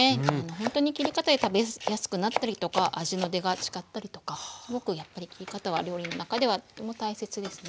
ほんとに切り方で食べやすくなったりとか味の出が違ったりとかすごくやっぱり切り方は料理の中ではとても大切ですね。